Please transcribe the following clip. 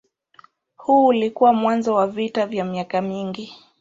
Huu ulikuwa mwanzo wa vita vya miaka mingi.